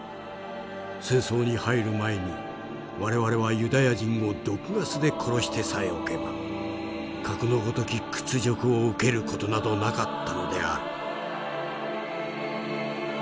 戦争に入る前に我々はユダヤ人を毒ガスで殺してさえおけばかくのごとき屈辱を受ける事などなかったのである」。